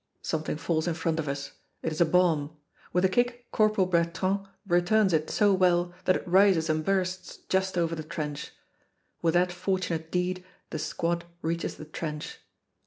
Something falls in front of us. It is a bomb. With a kick Corporal Bertrand returns it so well that it rises and bursts just over the trench. With that fortunate deed the squad reaches the trench.